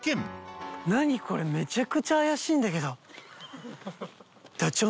これめちゃくちゃ怪しいんだけど。